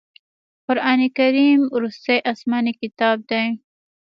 قرآن کریم وروستی اسمانې کتاب دی.